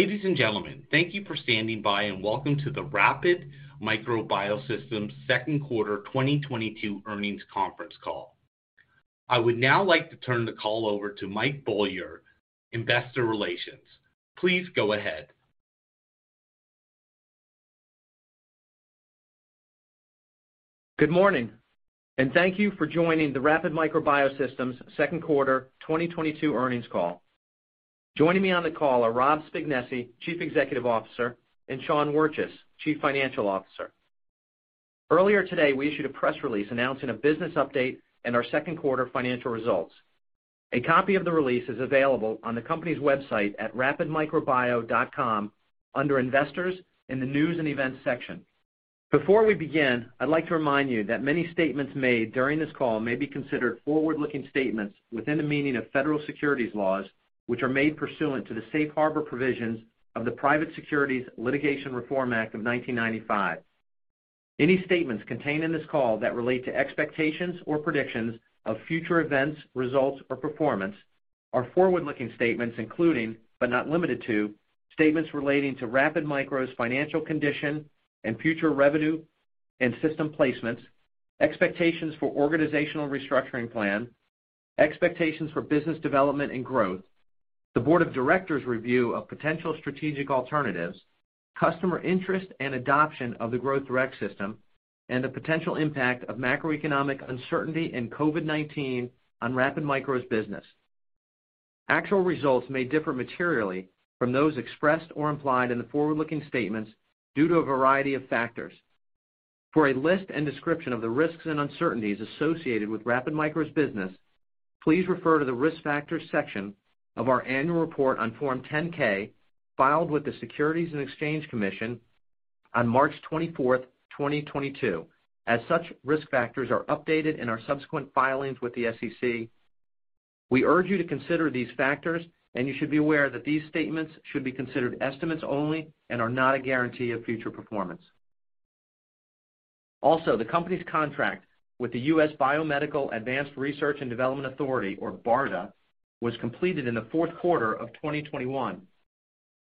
Ladies and gentlemen, thank you for standing by and welcome to the Rapid Micro Biosystems' second quarter 2022 earnings conference call. I would now like to turn the call over to Mike Beaulieu, Investor Relations. Please go ahead. Good morning, and thank you for joining the Rapid Micro Biosystems's second quarter 2022 earnings call. Joining me on the call are Rob Spignesi, Chief Executive Officer, and Sean Wirtjes, Chief Financial Officer. Earlier today, we issued a press release announcing a business update and our second quarter financial results. A copy of the release is available on the company's website at rapidmicrobio.com under Investors in the News & Events section. Before we begin, I'd like to remind you that many statements made during this call may be considered forward-looking statements within the meaning of federal securities laws, which are made pursuant to the Safe Harbor provisions of the Private Securities Litigation Reform Act of 1995. Any statements contained in this call that relate to expectations or predictions of future events, results, or performance are forward-looking statements including, but not limited to, statements relating to Rapid Micro's financial condition and future revenue and system placements, expectations for organizational restructuring plan, expectations for business development and growth, the Board of Directors' review of potential strategic alternatives, customer interest and adoption of the Growth Direct system, and the potential impact of macroeconomic uncertainty and COVID-19 on Rapid Micro's business. Actual results may differ materially from those expressed or implied in the forward-looking statements due to a variety of factors. For a list and description of the risks and uncertainties associated with Rapid Micro's business, please refer to the Risk Factors section of our annual report on Form 10-K filed with the Securities and Exchange Commission on March 24th, 2022. As such risk factors are updated in our subsequent filings with the SEC, we urge you to consider these factors, and you should be aware that these statements should be considered estimates only and are not a guarantee of future performance. Also, the company's contract with the U.S. Biomedical Advanced Research and Development Authority, or BARDA, was completed in the fourth quarter of 2021.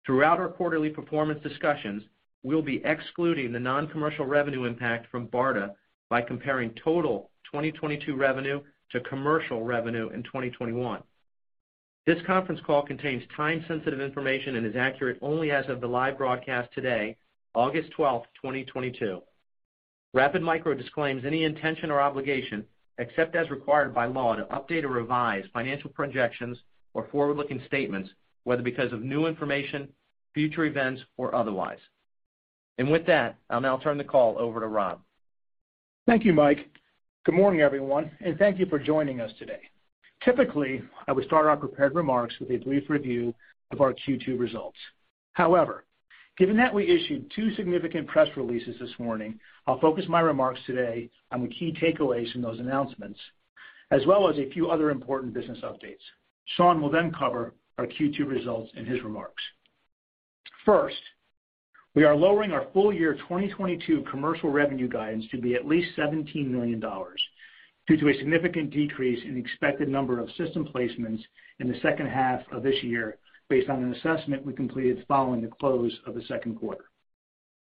Throughout our quarterly performance discussions, we'll be excluding the non-commercial revenue impact from BARDA by comparing total 2022 revenue to commercial revenue in 2021. This conference call contains time-sensitive information and is accurate only as of the live broadcast today, August 12th, 2022. Rapid Micro disclaims any intention or obligation, except as required by law, to update or revise financial projections or forward-looking statements, whether because of new information, future events, or otherwise. With that, I'll now turn the call over to Rob. Thank you, Mike. Good morning, everyone, and thank you for joining us today. Typically, I would start our prepared remarks with a brief review of our Q2 results. However, given that we issued two significant press releases this morning, I'll focus my remarks today on the key takeaways from those announcements, as well as a few other important business updates. Sean will then cover our Q2 results in his remarks. First, we are lowering our full year 2022 commercial revenue guidance to be at least $17 million due to a significant decrease in expected number of system placements in the second half of this year based on an assessment we completed following the close of the second quarter.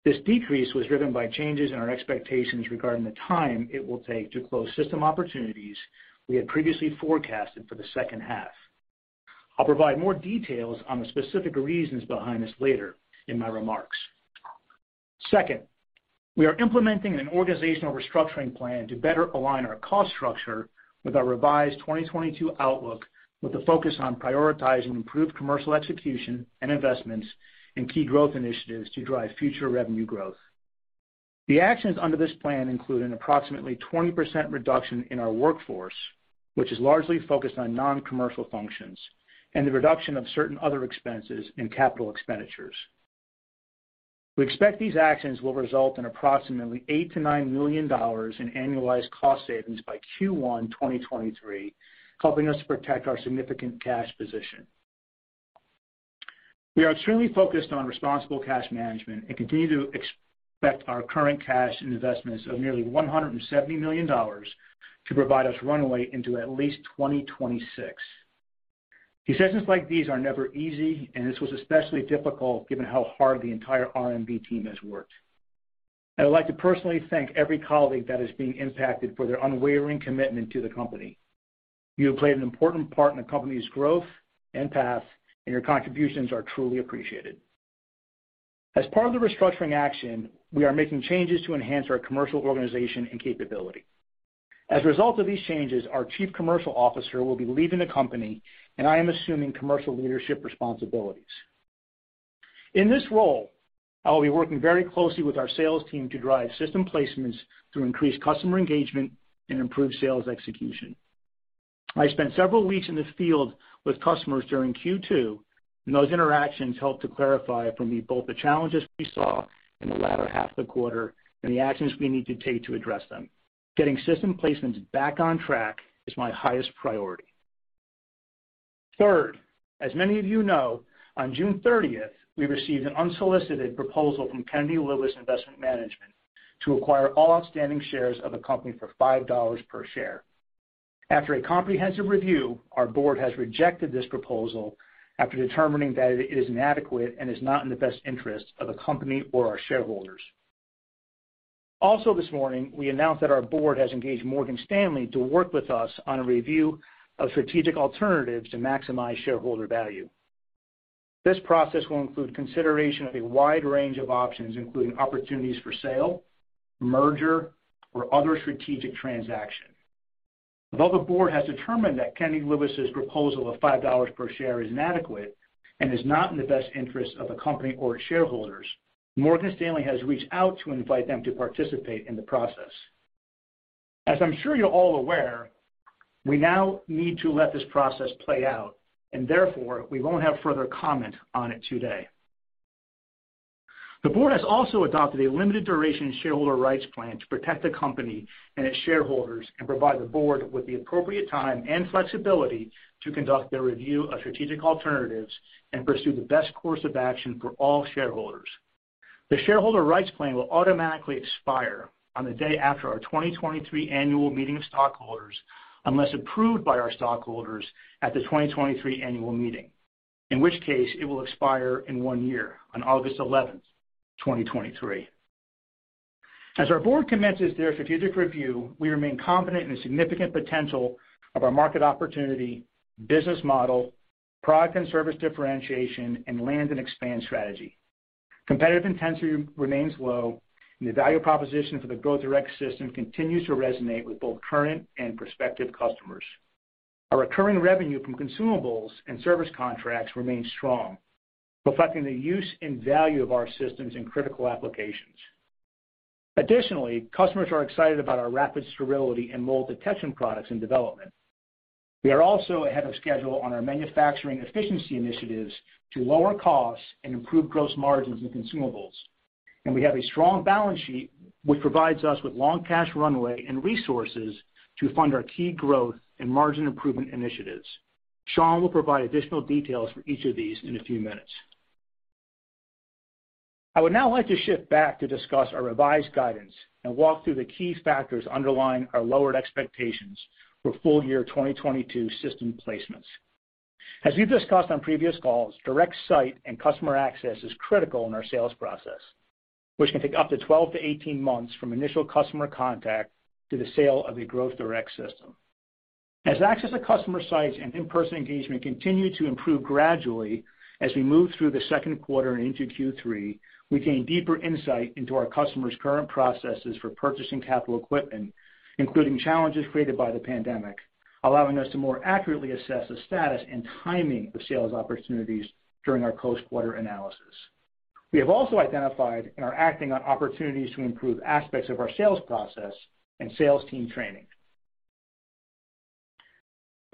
This decrease was driven by changes in our expectations regarding the time it will take to close system opportunities we had previously forecasted for the second half. I'll provide more details on the specific reasons behind this later in my remarks. Second, we are implementing an organizational restructuring plan to better align our cost structure with our revised 2022 outlook with the focus on prioritizing improved commercial execution and investments in key growth initiatives to drive future revenue growth. The actions under this plan include an approximately 20% reduction in our workforce, which is largely focused on non-commercial functions, and the reduction of certain other expenses and capital expenditures. We expect these actions will result in approximately $8 million-$9 million in annualized cost savings by Q1 2023, helping us protect our significant cash position. We are extremely focused on responsible cash management and continue to expect our current cash and investments of nearly $170 million to provide us runway into at least 2026. Decisions like these are never easy, and this was especially difficult given how hard the entire RMB team has worked. I would like to personally thank every colleague that is being impacted for their unwavering commitment to the company. You have played an important part in the company's growth and path, and your contributions are truly appreciated. As part of the restructuring action, we are making changes to enhance our commercial organization and capability. As a result of these changes, our chief commercial officer will be leaving the company, and I am assuming commercial leadership responsibilities. In this role, I will be working very closely with our sales team to drive system placements through increased customer engagement and improved sales execution. I spent several weeks in the field with customers during Q2, and those interactions helped to clarify for me both the challenges we saw in the latter half of the quarter and the actions we need to take to address them. Getting system placements back on track is my highest priority. Third, as many of you know, on June 30th, we received an unsolicited proposal from Kennedy Lewis Investment Management to acquire all outstanding shares of the company for $5 per share. After a comprehensive review, our Board has rejected this proposal after determining that it is inadequate and is not in the best interest of the company or our shareholders. Also this morning, we announced that our Board has engaged Morgan Stanley to work with us on a review of strategic alternatives to maximize shareholder value. This process will include consideration of a wide range of options, including opportunities for sale, merger, or other strategic transaction. Although the Board has determined that Kennedy Lewis's proposal of $5 per share is inadequate and is not in the best interest of the company or its shareholders, Morgan Stanley has reached out to invite them to participate in the process. As I'm sure you're all aware, we now need to let this process play out and therefore we won't have further comment on it today. The Board has also adopted a limited duration shareholder rights plan to protect the company and its shareholders and provide the Board with the appropriate time and flexibility to conduct their review of strategic alternatives and pursue the best course of action for all shareholders. The shareholder rights plan will automatically expire on the day after our 2023 annual meeting of stockholders, unless approved by our stockholders at the 2023 annual meeting, in which case it will expire in one year on August 11th, 2023. Our Board commences their strategic review, we remain confident in the significant potential of our market opportunity, business model, product and service differentiation, and land and expand strategy. Competitive intensity remains low, and the value proposition for the Growth Direct system continues to resonate with both current and prospective customers. Our recurring revenue from consumables and service contracts remains strong, reflecting the use and value of our systems in critical applications. Additionally, customers are excited about our rapid sterility and mold detection products in development. We are also ahead of schedule on our manufacturing efficiency initiatives to lower costs and improve gross margins in consumables. We have a strong balance sheet, which provides us with long cash runway and resources to fund our key growth and margin improvement initiatives. Sean will provide additional details for each of these in a few minutes. I would now like to shift back to discuss our revised guidance and walk through the key factors underlying our lowered expectations for full year 2022 system placements. As we've discussed on previous calls, direct site and customer access is critical in our sales process, which can take up to 12-18 months from initial customer contact to the sale of a Growth Direct system. As access to customer sites and in-person engagement continue to improve gradually as we move through the second quarter and into Q3, we gain deeper insight into our customers' current processes for purchasing capital equipment, including challenges created by the pandemic, allowing us to more accurately assess the status and timing of sales opportunities during our post-quarter analysis. We have also identified and are acting on opportunities to improve aspects of our sales process and sales team training.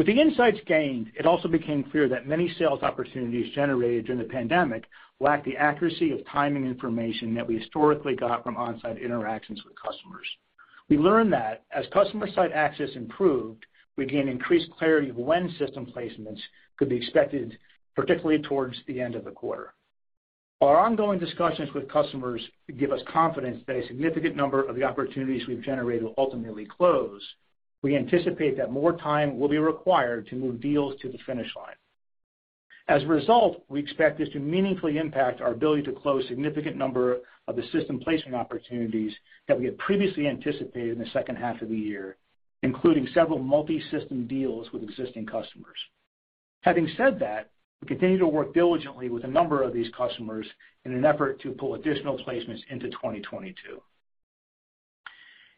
With the insights gained, it also became clear that many sales opportunities generated during the pandemic lacked the accuracy of timing information that we historically got from on-site interactions with customers. We learned that as customer site access improved, we gain increased clarity of when system placements could be expected, particularly towards the end of the quarter. Our ongoing discussions with customers give us confidence that a significant number of the opportunities we've generated will ultimately close. We anticipate that more time will be required to move deals to the finish line. As a result, we expect this to meaningfully impact our ability to close significant number of the system placement opportunities that we had previously anticipated in the second half of the year, including several multi-system deals with existing customers. Having said that, we continue to work diligently with a number of these customers in an effort to pull additional placements into 2022.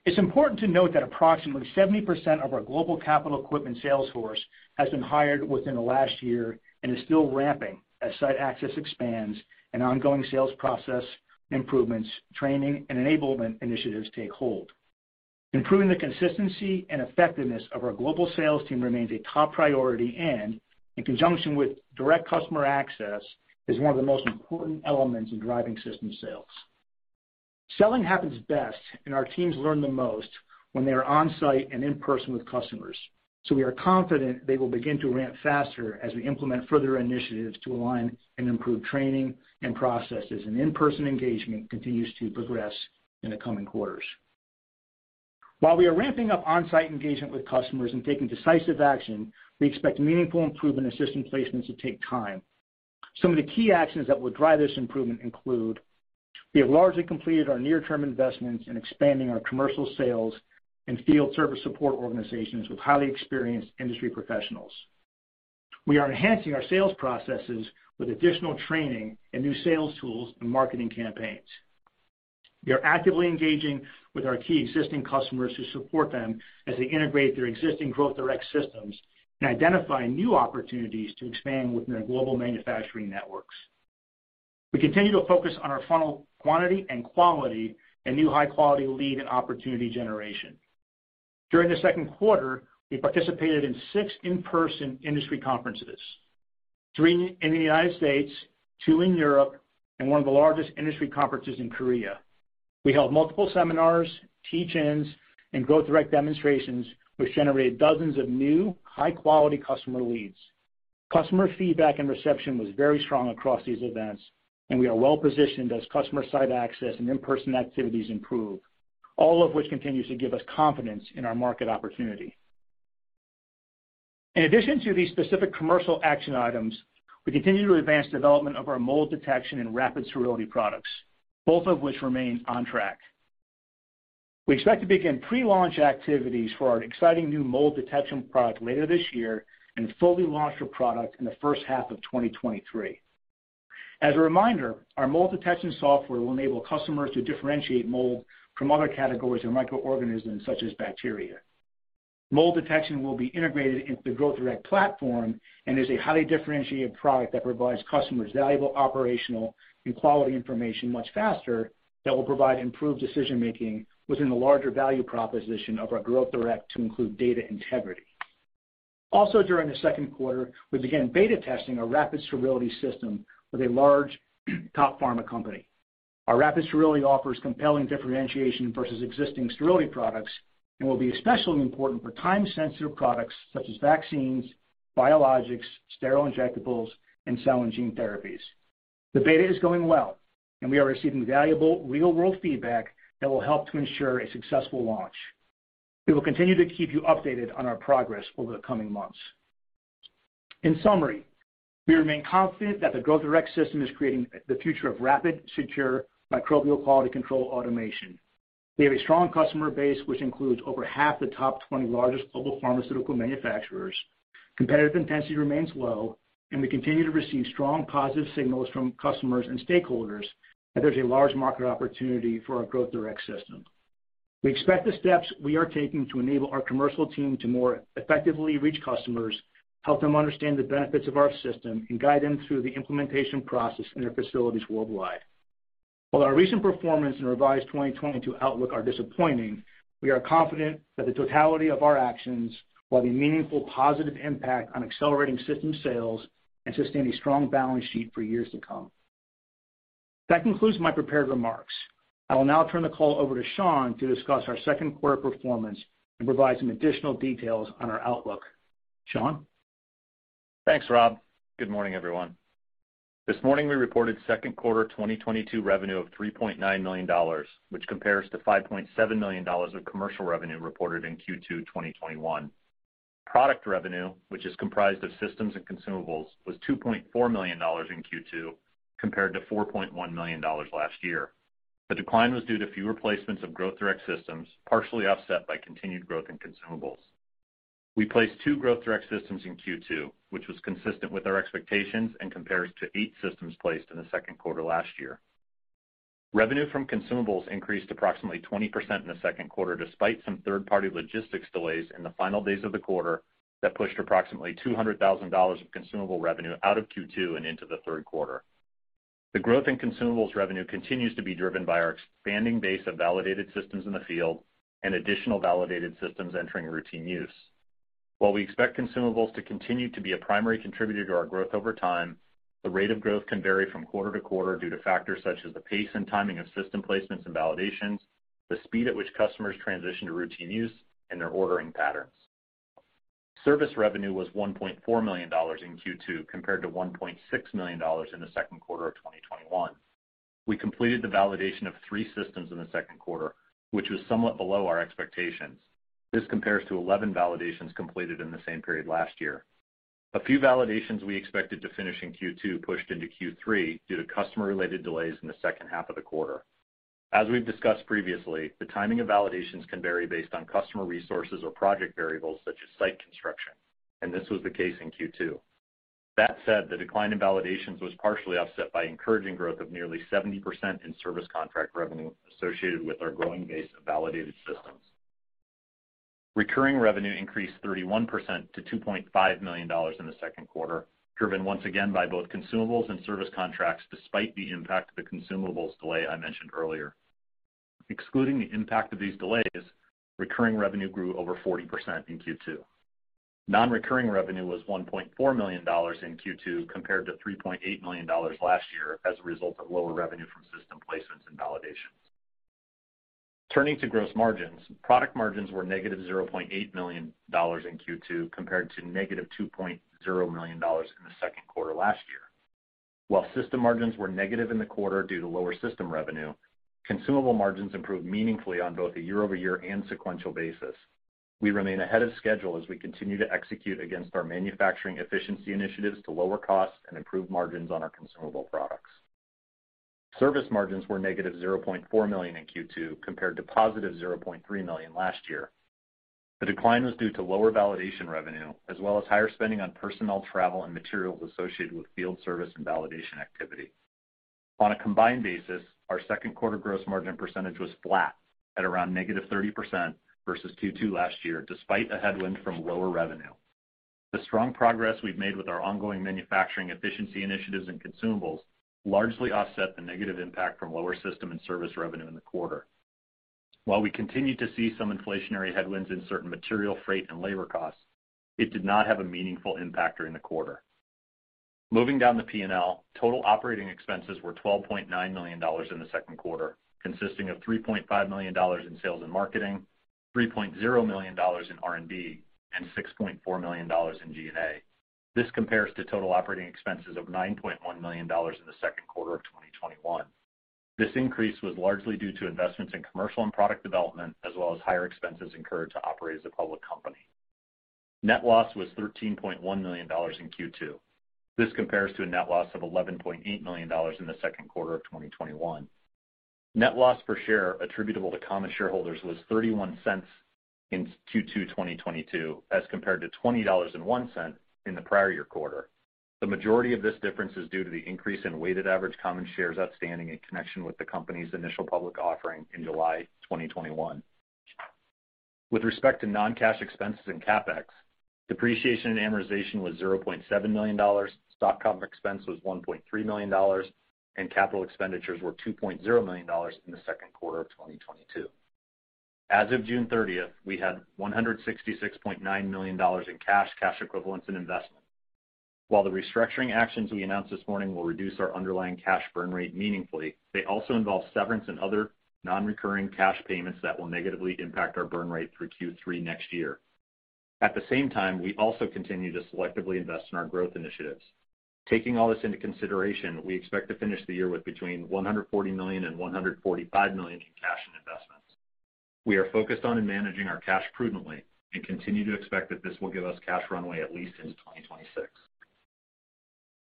It's important to note that approximately 70% of our global capital equipment sales force has been hired within the last year and is still ramping as site access expands and ongoing sales process improvements, training, and enablement initiatives take hold. Improving the consistency and effectiveness of our global sales team remains a top priority and, in conjunction with direct customer access, is one of the most important elements in driving system sales. Selling happens best and our teams learn the most when they are on-site and in person with customers, so we are confident they will begin to ramp faster as we implement further initiatives to align and improve training and processes, and in-person engagement continues to progress in the coming quarters. While we are ramping up on-site engagement with customers and taking decisive action, we expect meaningful improvement in system placements to take time. Some of the key actions that will drive this improvement include, we have largely completed our near-term investments in expanding our commercial sales and field service support organizations with highly experienced industry professionals. We are enhancing our sales processes with additional training and new sales tools and marketing campaigns. We are actively engaging with our key existing customers to support them as they integrate their existing Growth Direct systems and identifying new opportunities to expand within their global manufacturing networks. We continue to focus on our funnel quantity and quality and new high-quality lead and opportunity generation. During the second quarter, we participated in six in-person industry conferences, three in the United States, two in Europe, and one of the largest industry conferences in Korea. We held multiple seminars, teach-ins, and Growth Direct demonstrations, which generated dozens of new high-quality customer leads. Customer feedback and reception was very strong across these events, and we are well positioned as customer site access and in-person activities improve, all of which continues to give us confidence in our market opportunity. In addition to these specific commercial action items, we continue to advance development of our mold detection and rapid sterility products, both of which remain on track. We expect to begin pre-launch activities for our exciting new mold detection product later this year and fully launch the product in the first half of 2023. As a reminder, our mold detection software will enable customers to differentiate mold from other categories of microorganisms, such as bacteria. Mold detection will be integrated into the Growth Direct platform and is a highly differentiated product that provides customers valuable operational and quality information much faster, that will provide improved decision-making within the larger value proposition of our Growth Direct to include data integrity. Also during the second quarter, we began beta testing our rapid sterility system with a large top pharma company. Our Rapid Sterility offers compelling differentiation versus existing sterility products and will be especially important for time-sensitive products such as vaccines, biologics, sterile injectables, and cell and gene therapies. The beta is going well, and we are receiving valuable real-world feedback that will help to ensure a successful launch. We will continue to keep you updated on our progress over the coming months. In summary, we remain confident that the Growth Direct system is creating the future of rapid, secure microbial quality control automation. We have a strong customer base which includes over half the top 20 largest global pharmaceutical manufacturers. Competitive intensity remains low, and we continue to receive strong positive signals from customers and stakeholders that there's a large market opportunity for our Growth Direct system. We expect the steps we are taking to enable our commercial team to more effectively reach customers, help them understand the benefits of our system, and guide them through the implementation process in their facilities worldwide. While our recent performance and revised 2022 outlook are disappointing, we are confident that the totality of our actions will have a meaningful, positive impact on accelerating system sales and sustain a strong balance sheet for years to come. That concludes my prepared remarks. I will now turn the call over to Sean to discuss our second quarter performance and provide some additional details on our outlook. Sean? Thanks, Rob. Good morning, everyone. This morning, we reported second quarter 2022 revenue of $3.9 million, which compares to $5.7 million of commercial revenue reported in Q2 2021. Product revenue, which is comprised of systems and consumables, was $2.4 million in Q2 compared to $4.1 million last year. The decline was due to fewer placements of Growth Direct systems, partially offset by continued growth in consumables. We placed two Growth Direct systems in Q2, which was consistent with our expectations and compares to eight systems placed in the second quarter last year. Revenue from consumables increased approximately 20% in the second quarter, despite some third-party logistics delays in the final days of the quarter that pushed approximately $200,000 of consumable revenue out of Q2 and into the third quarter. The growth in consumables revenue continues to be driven by our expanding base of validated systems in the field and additional validated systems entering routine use. While we expect consumables to continue to be a primary contributor to our growth over time, the rate of growth can vary from quarter-to-quarter due to factors such as the pace and timing of system placements and validations, the speed at which customers transition to routine use, and their ordering patterns. Service revenue was $1.4 million in Q2 compared to $1.6 million in the second quarter of 2021. We completed the validation of three systems in the second quarter, which was somewhat below our expectations. This compares to 11 validations completed in the same period last year. A few validations we expected to finish in Q2 pushed into Q3 due to customer-related delays in the second half of the quarter. As we've discussed previously, the timing of validations can vary based on customer resources or project variables such as site construction, and this was the case in Q2. That said, the decline in validations was partially offset by encouraging growth of nearly 70% in service contract revenue associated with our growing base of validated systems. Recurring revenue increased 31% to $2.5 million in the second quarter, driven once again by both consumables and service contracts despite the impact of the consumables delay I mentioned earlier. Excluding the impact of these delays, recurring revenue grew over 40% in Q2. Non-recurring revenue was $1.4 million in Q2 compared to $3.8 million last year as a result of lower revenue from system placements and validations. Turning to gross margins, product margins were -$0.8 million in Q2 compared to -$2.0 million in the second quarter last year. While system margins were negative in the quarter due to lower system revenue, consumable margins improved meaningfully on both a year-over-year and sequential basis. We remain ahead of schedule as we continue to execute against our manufacturing efficiency initiatives to lower costs and improve margins on our consumable products. Service margins were -$0.4 million in Q2 compared to $0.3 million last year. The decline was due to lower validation revenue as well as higher spending on personnel travel and materials associated with field service and validation activity. On a combined basis, our second quarter gross margin percentage was flat at around negative 30% versus Q2 last year, despite a headwind from lower revenue. The strong progress we've made with our ongoing manufacturing efficiency initiatives and consumables largely offset the negative impact from lower system and service revenue in the quarter. While we continue to see some inflationary headwinds in certain material, freight, and labor costs, it did not have a meaningful impact during the quarter. Moving down the P&L, total operating expenses were $12.9 million in the second quarter, consisting of $3.5 million in sales and marketing, $3.0 million in R&D, and $6.4 million in G&A. This compares to total operating expenses of $9.1 million in the second quarter of 2021. This increase was largely due to investments in commercial and product development, as well as higher expenses incurred to operate as a public company. Net loss was $13.1 million in Q2. This compares to a net loss of $11.8 million in the second quarter of 2021. Net loss per share attributable to common shareholders was $0.31 in Q2 2022, as compared to $0.21 in the prior year quarter. The majority of this difference is due to the increase in weighted average common shares outstanding in connection with the company's initial public offering in July 2021. With respect to non-cash expenses and CapEx, depreciation and amortization was $0.7 million. Stock comp expense was $1.3 million, and capital expenditures were $2.0 million in the second quarter of 2022. As of June 30th, 2022 we had $166.9 million in cash equivalents, and investments. While the restructuring actions we announced this morning will reduce our underlying cash burn rate meaningfully, they also involve severance and other non-recurring cash payments that will negatively impact our burn rate through Q3 next year. At the same time, we also continue to selectively invest in our growth initiatives. Taking all this into consideration, we expect to finish the year with between $140 million and $145 million in cash and investments. We are focused on and managing our cash prudently, and continue to expect that this will give us cash runway at least into 2026.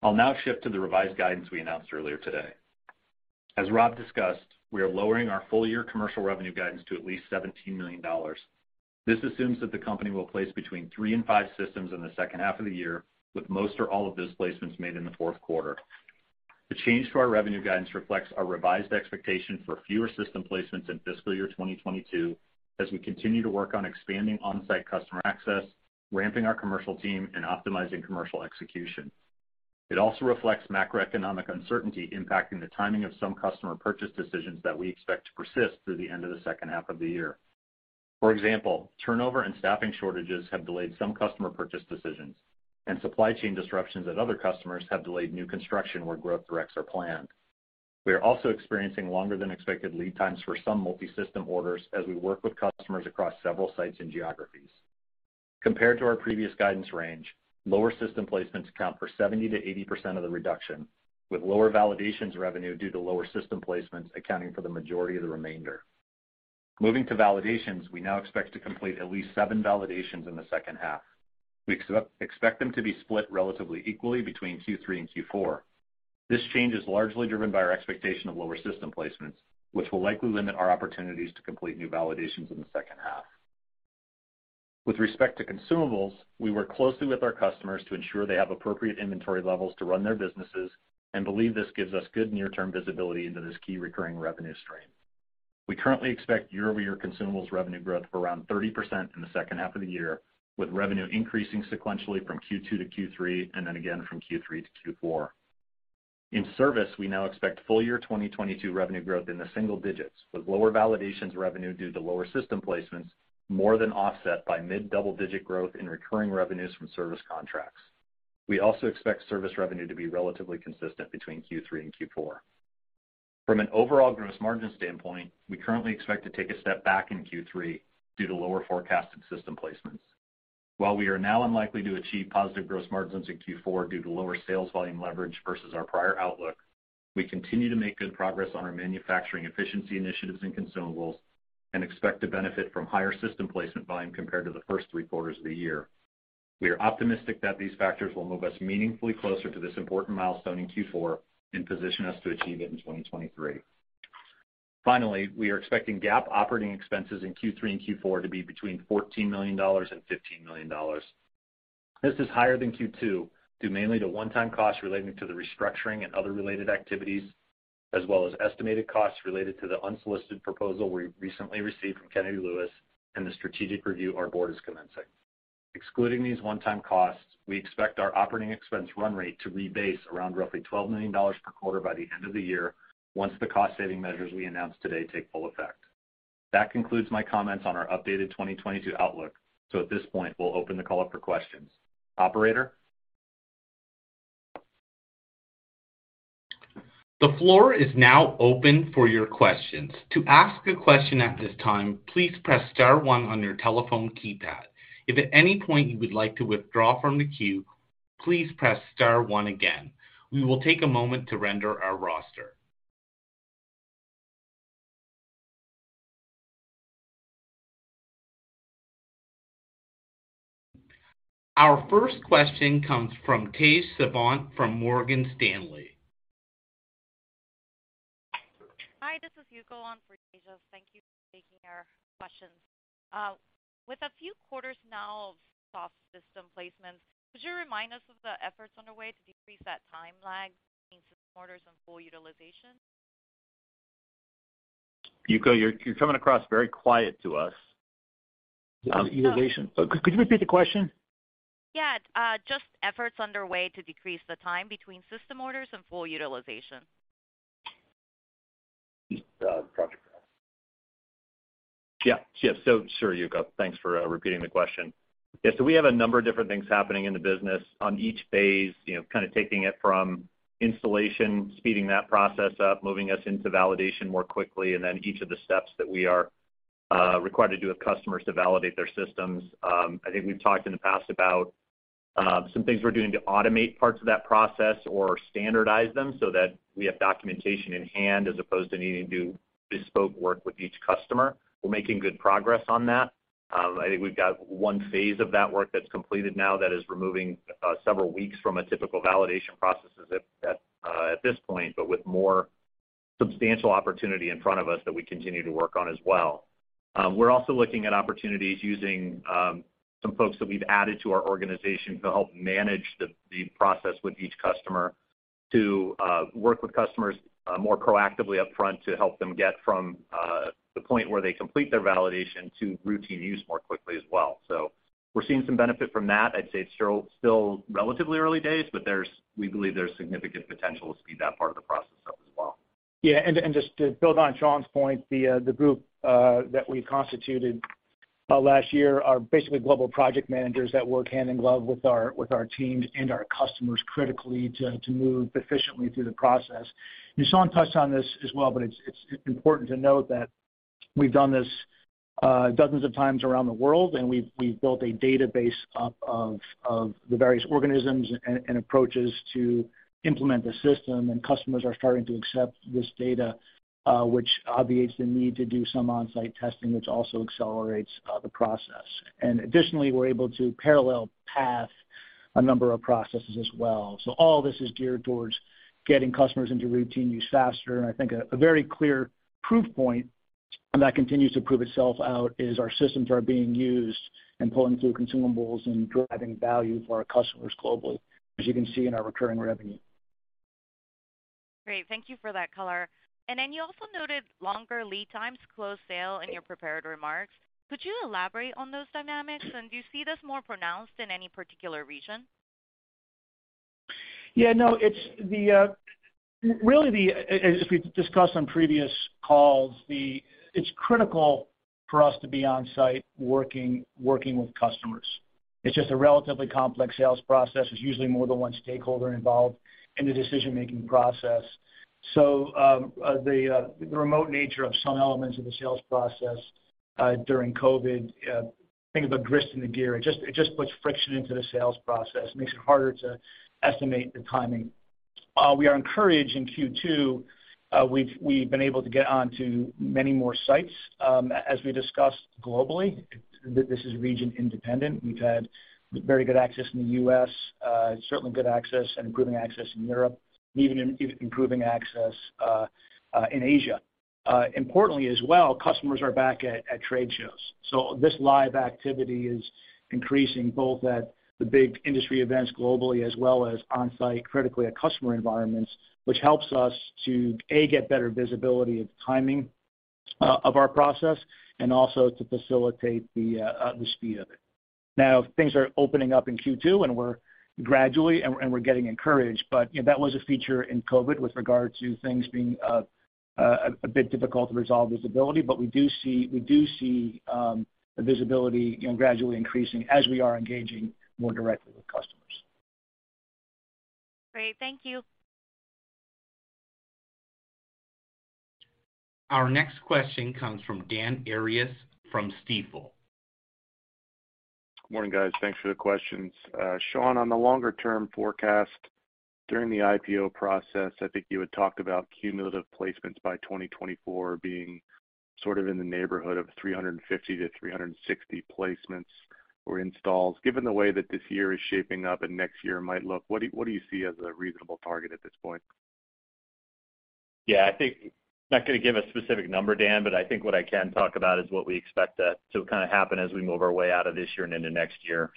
I'll now shift to the revised guidance we announced earlier today. As Rob discussed, we are lowering our full year commercial revenue guidance to at least $17 million. This assumes that the company will place between three and five systems in the second half of the year, with most or all of those placements made in the fourth quarter. The change to our revenue guidance reflects our revised expectation for fewer system placements in fiscal year 2022, as we continue to work on expanding on-site customer access, ramping our commercial team, and optimizing commercial execution. It also reflects macroeconomic uncertainty impacting the timing of some customer purchase decisions that we expect to persist through the end of the second half of the year. For example, turnover and staffing shortages have delayed some customer purchase decisions, and supply chain disruptions at other customers have delayed new construction where Growth Directs are planned. We are also experiencing longer than expected lead times for some multi-system orders as we work with customers across several sites and geographies. Compared to our previous guidance range, lower system placements account for 70%-80% of the reduction, with lower validations revenue due to lower system placements accounting for the majority of the remainder. Moving to validations, we now expect to complete at least seven validations in the second half. We expect them to be split relatively equally between Q3 and Q4. This change is largely driven by our expectation of lower system placements, which will likely limit our opportunities to complete new validations in the second half. With respect to consumables, we work closely with our customers to ensure they have appropriate inventory levels to run their businesses and believe this gives us good near-term visibility into this key recurring revenue stream. We currently expect year-over-year consumables revenue growth of around 30% in the second half of the year, with revenue increasing sequentially from Q2 to Q3, and then again from Q3 to Q4. In service, we now expect full-year 2022 revenue growth in the single digits, with lower validations revenue due to lower system placements, more than offset by mid-double-digit growth in recurring revenues from service contracts. We also expect service revenue to be relatively consistent between Q3 and Q4. From an overall gross margin standpoint, we currently expect to take a step back in Q3 due to lower forecasted system placements. While we are now unlikely to achieve positive gross margins in Q4 due to lower sales volume leverage versus our prior outlook, we continue to make good progress on our manufacturing efficiency initiatives and consumables, and expect to benefit from higher system placement volume compared to the first three quarters of the year. We are optimistic that these factors will move us meaningfully closer to this important milestone in Q4 and position us to achieve it in 2023. Finally, we are expecting GAAP operating expenses in Q3 and Q4 to be between $14 million and $15 million. This is higher than Q2, due mainly to one-time costs relating to the restructuring and other related activities, as well as estimated costs related to the unsolicited proposal we recently received from Kennedy Lewis and the strategic review our Board is commencing. Excluding these one-time costs, we expect our operating expense run rate to rebase around roughly $12 million per quarter by the end of the year once the cost saving measures we announced today take full effect. That concludes my comments on our updated 2022 outlook. At this point, we'll open the call up for questions. Operator? The floor is now open for your questions. To ask a question at this time, please press star one on your telephone keypad. If at any point you would like to withdraw from the queue, please press star one again. We will take a moment to compile our roster. Our first question comes from Tejas Savant from Morgan Stanley. Hi, this is Yuko on for Tejas. Thank you for taking our questions. With a few quarters now of soft system placements, could you remind us of the efforts underway to decrease that time lag between system orders and full utilization? Yuko, you're coming across very quiet to us. On utilization. Could you repeat the question? Yeah, just efforts underway to decrease the time between system orders and full utilization. Yeah. Sure, Yuko, thanks for repeating the question. Yeah, we have a number of different things happening in the business on each phase, you know, kind of taking it from installation, speeding that process up, moving us into validation more quickly, and then each of the steps that we are required to do with customers to validate their systems. I think we've talked in the past about some things we're doing to automate parts of that process or standardize them so that we have documentation in hand as opposed to needing to do bespoke work with each customer. We're making good progress on that. I think we've got one phase of that work that's completed now that is removing several weeks from a typical validation processes at this point, but with more substantial opportunity in front of us that we continue to work on as well. We're also looking at opportunities using some folks that we've added to our organization to help manage the process with each customer to work with customers more proactively upfront to help them get from the point where they complete their validation to routine use more quickly as well. We're seeing some benefit from that. I'd say it's still relatively early days, but we believe there's significant potential to speed that part of the process up as well. Just to build on Sean's point, the group that we constituted last year are basically global project managers that work hand in glove with our teams and our customers critically to move efficiently through the process. Sean touched on this as well, but it's important to note that we've done this dozens of times around the world, and we've built a database up of the various organisms and approaches to implement the system, and customers are starting to accept this data, which obviates the need to do some on-site testing, which also accelerates the process. Additionally, we're able to parallel path a number of processes as well. All this is geared towards getting customers into routine use faster. I think a very clear proof point, and that continues to prove itself out, is our systems are being used and pulling through consumables and driving value for our customers globally, as you can see in our recurring revenue. Great. Thank you for that color. You also noted longer lead times, closed sale in your prepared remarks. Could you elaborate on those dynamics? Do you see this more pronounced in any particular region? Yeah, no. It's really, as we've discussed on previous calls, it's critical for us to be on-site working with customers. It's just a relatively complex sales process. There's usually more than one stakeholder involved in the decision-making process. The remote nature of some elements of the sales process during COVID, think of the grit in the gear. It just puts friction into the sales process. It makes it harder to estimate the timing. We're encouraged in Q2. We've been able to get onto many more sites, as we discussed globally, this is region independent. We've had very good access in the U.S., certainly good access and improving access in Europe, even improving access in Asia. Importantly as well, customers are back at trade shows. This live activity is increasing both at the big industry events globally as well as on-site, critically at customer environments, which helps us to, A, get better visibility of timing, of our process, and also to facilitate the speed of it. Now, things are opening up in Q2, and we're gradually getting encouraged, but, you know, that was a feature in COVID with regard to things being, a bit difficult to resolve visibility. But we do see the visibility, you know, gradually increasing as we are engaging more directly with customers. Great. Thank you. Our next question comes from Dan Arias from Stifel. Morning, guys. Thanks for the questions. Sean, on the longer term forecast during the IPO process, I think you had talked about cumulative placements by 2024 being sort of in the neighborhood of 350-360 placements or installs. Given the way that this year is shaping up and next year might look, what do you see as a reasonable target at this point? Yeah, I think I'm not gonna give a specific number, Dan, but I think what I can talk about is what we expect to kind of happen as we move our way out of this year and into next year.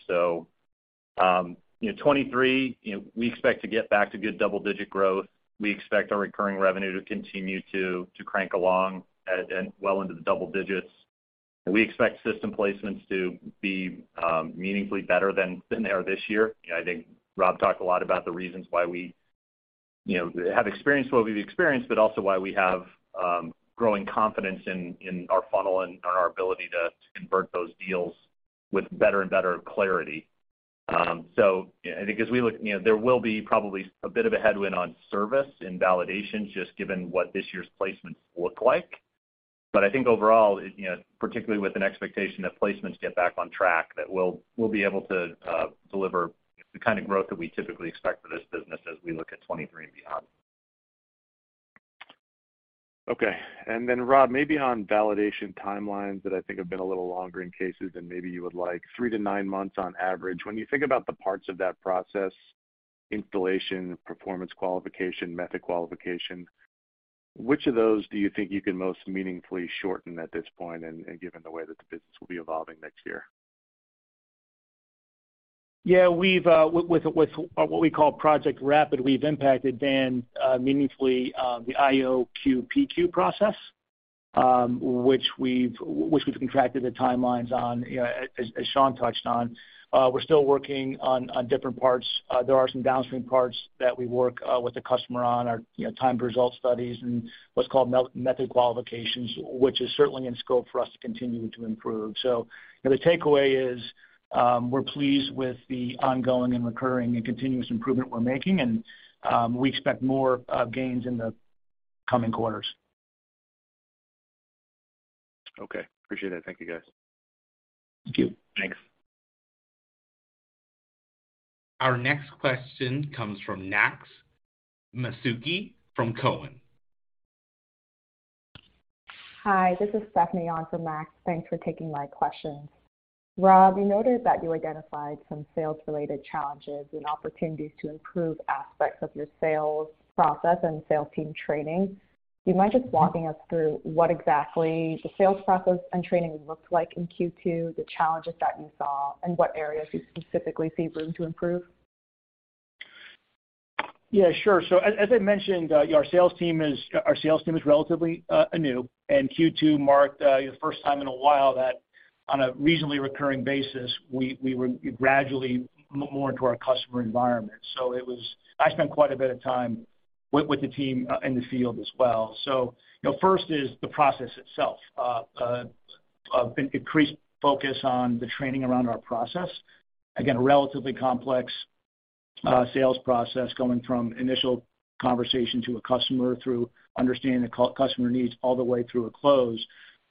You know, 2023, you know, we expect to get back to good double-digit growth. We expect our recurring revenue to continue to crank along at well into the double digits. We expect system placements to be meaningfully better than they are this year. You know, I think Rob talked a lot about the reasons why we, you know, have experienced what we've experienced, but also why we have growing confidence in our funnel and our ability to convert those deals with better and better clarity. I think as we look, you know, there will be probably a bit of a headwind on service and validation just given what this year's placements look like. I think overall, you know, particularly with an expectation that placements get back on track, that we'll be able to deliver the kind of growth that we typically expect for this business as we look at 2023 and beyond. Okay. Rob, maybe on validation timelines that I think have been a little longer in cases than maybe you would like, three to nine months on average. When you think about the parts of that process, Installation, Performance Qualification, Method Qualification, which of those do you think you can most meaningfully shorten at this point and given the way that the business will be evolving next year? Yeah. We've with what we call Project Rapid, we've impacted, Dan, meaningfully, the IQ/OQ/PQ process, which we've contracted the timelines on, you know, as Sean touched on. We're still working on different parts. There are some downstream parts that we work with the customer on our timed result studies and what's called method qualifications, which is certainly in scope for us to continue to improve. You know, the takeaway is, we're pleased with the ongoing and recurring and continuous improvement we're making, and we expect more gains in the coming quarters. Okay. Appreciate it. Thank you, guys. Thank you. Thanks. Our next question comes from Max Masucci from Cowen. Hi, this is Stephanie on for Max. Thanks for taking my questions. Rob, you noted that you identified some sales-related challenges and opportunities to improve aspects of your sales process and sales team training. Do you mind just walking us through what exactly the sales process and training looked like in Q2, the challenges that you saw, and what areas you specifically see room to improve? Yeah, sure. As I mentioned, our sales team is relatively new, and Q2 marked the first time in a while that on a reasonably recurring basis, we were gradually more into our customer environment. I spent quite a bit of time with the team in the field as well. You know, first is the process itself. Increased focus on the training around our process. Again, a relatively complex sales process going from initial conversation to a customer through understanding the customer needs all the way through a close.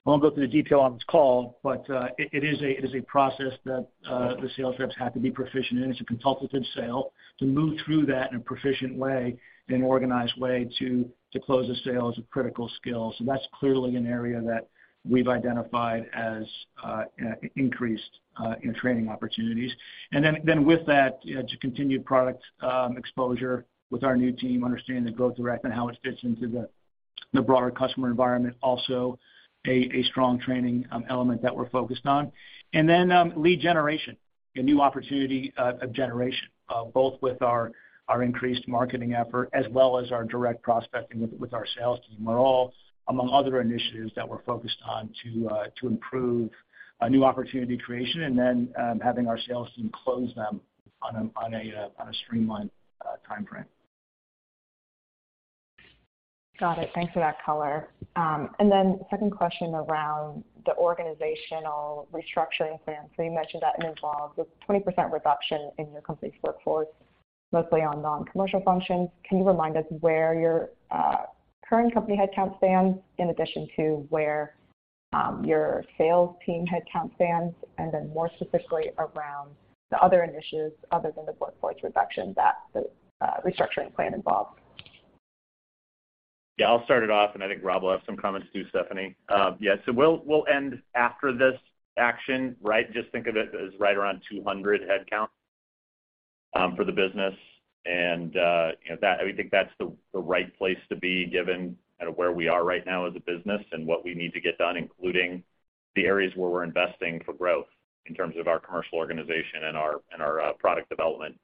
I won't go through the detail on this call, but it is a process that the sales reps have to be proficient in. It's a consultative sale to move through that in a proficient way, in an organized way to close the sale is a critical skill. That's clearly an area that we've identified as increased in training opportunities. With that, you know, to continue product exposure with our new team, understanding the Growth Direct, how it fits into the broader customer environment also a strong training element that we're focused on. Lead generation, new opportunity generation, both with our increased marketing effort as well as our direct prospecting with our sales team are all among other initiatives that we're focused on to improve new opportunity creation and then having our sales team close them on a streamlined timeframe. Got it. Thanks for that color. Second question around the organizational restructuring plan. You mentioned that it involved a 20% reduction in your company's workforce, mostly on non-commercial functions. Can you remind us where your current company headcount stands in addition to where your sales team headcount stands, and then more specifically around the other initiatives other than the workforce reduction that the restructuring plan involves? I'll start it off, and I think Rob will have some comments too, Stephanie. We'll end after this action, right? Just think of it as right around 200 headcount for the business. You know, that. I think that's the right place to be given kind of where we are right now as a business and what we need to get done, including the areas where we're investing for growth in terms of our commercial organization and our product development.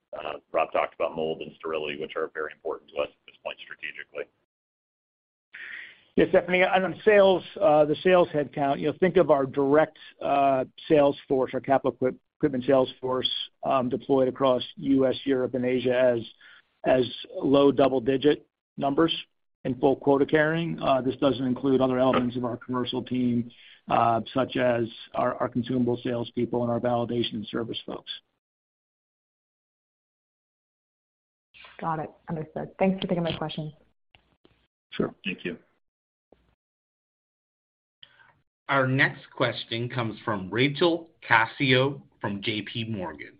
Rob talked about mold and sterility, which are very important to us at this point strategically. Yeah, Stephanie. On sales, the sales headcount, you know, think of our direct sales force, our capital equipment sales force, deployed across U.S., Europe, and Asia as low double-digit numbers in full quota carrying. This doesn't include other elements of our commercial team, such as our consumable salespeople and our validation service folks. Got it. Understood. Thanks for taking my question. Sure. Thank you. Our next question comes from Rachel Vatnsdal from JPMorgan.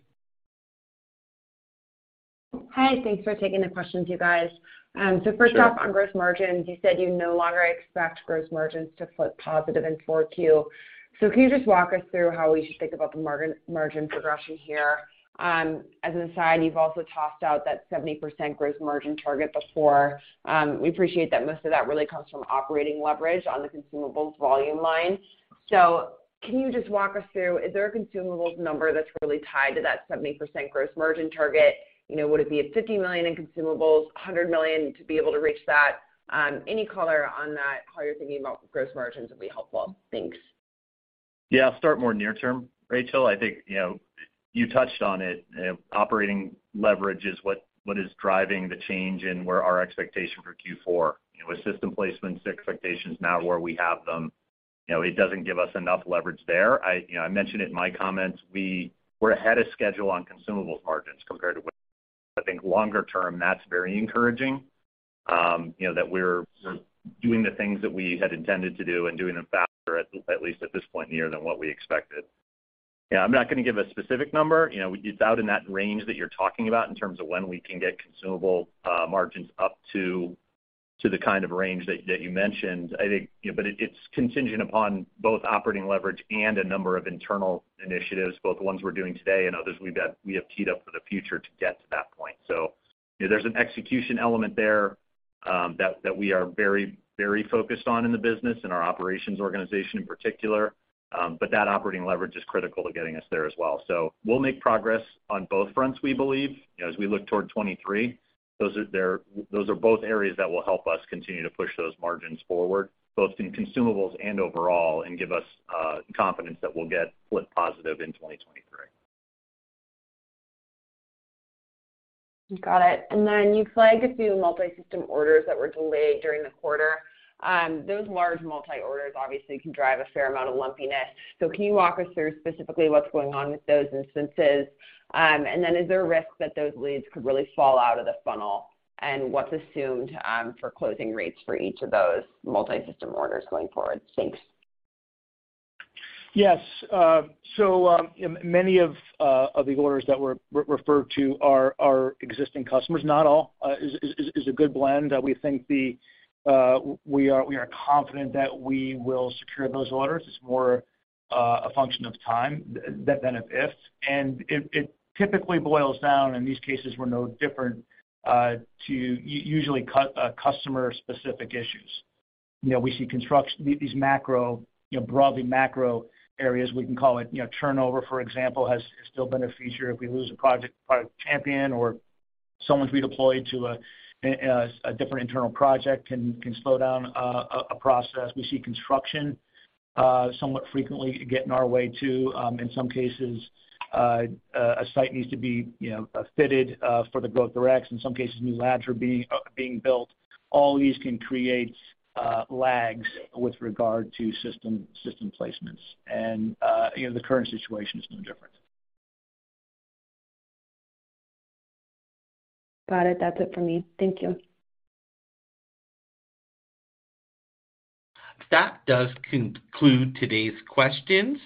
Hi. Thanks for taking the questions, you guys. First off. Sure. On gross margins, you said you no longer expect gross margins to flip positive in 4Q. Can you just walk us through how we should think about the margin progression here? As an aside, you've also tossed out that 70% gross margin target before. We appreciate that most of that really comes from operating leverage on the consumables volume line. Can you just walk us through, is there a consumables number that's really tied to that 70% gross margin target? You know, would it be at $50 million in consumables, $100 million to be able to reach that? Any color on that, how you're thinking about gross margins would be helpful. Thanks. Yeah. I'll start more near term, Rachel. I think, you know, you touched on it. Operating leverage is what is driving the change in our expectation for Q4. You know, with system placements expectations now where we have them, you know, it doesn't give us enough leverage there. You know, I mentioned it in my comments, we're ahead of schedule on consumables margins compared to what I think longer term, that's very encouraging, you know, that we're doing the things that we had intended to do and doing them faster at least at this point in year than what we expected. Yeah, I'm not gonna give a specific number. You know, it's out in that range that you're talking about in terms of when we can get consumable margins up to the kind of range that you mentioned. I think, you know, but it's contingent upon both operating leverage and a number of internal initiatives, both the ones we're doing today and others we have teed up for the future to get to that point. You know, there's an execution element there, that we are very, very focused on in the business and our operations organization in particular, but that operating leverage is critical to getting us there as well. We'll make progress on both fronts, we believe. You know, as we look toward 2023 Those are both areas that will help us continue to push those margins forward, both in consumables and overall, and give us confidence that we'll get flip positive in 2023. Got it. You flagged a few multi-system orders that were delayed during the quarter. Those large multi orders obviously can drive a fair amount of lumpiness. Can you walk us through specifically what's going on with those instances? Is there a risk that those leads could really fall out of the funnel? What's assumed for closing rates for each of those multi-system orders going forward? Thanks. Yes. Many of the orders that were referred to are existing customers. Not all, it's a good blend that we think we are confident that we will secure those orders. It's more a function of time than ifs. It typically boils down, and these cases were no different, to usually customer specific issues. You know, we see construction, these macro, you know, broadly macro areas, we can call it, you know, turnover, for example, has still been a feature. If we lose a project champion or someone's redeployed to a different internal project can slow down a process. We see construction somewhat frequently get in our way too. In some cases, a site needs to be fitted for the Growth Direct. In some cases, new labs are being built. All these can create lags with regard to system placements. You know, the current situation is no different. Got it. That's it for me. Thank you. That does conclude today's questions.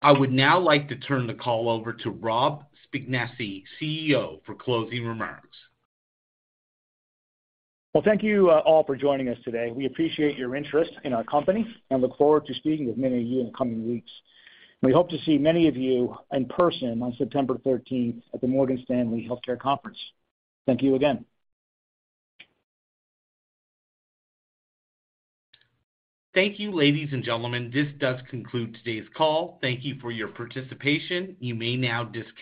I would now like to turn the call over to Rob Spignesi, CEO, for closing remarks. Well, thank you, all for joining us today. We appreciate your interest in our company and look forward to speaking with many of you in the coming weeks. We hope to see many of you in person on September 13th at the Morgan Stanley Healthcare Conference. Thank you again. Thank you, ladies and gentlemen. This does conclude today's call. Thank you for your participation. You may now disconnect.